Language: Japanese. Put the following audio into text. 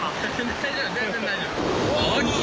大丈夫全然大丈夫。ＯＫ！